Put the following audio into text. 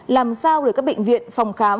làm sao để các bệnh viện phòng khám